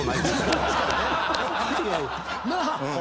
なあ！